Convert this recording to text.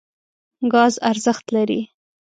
ګاز ارزښت لري.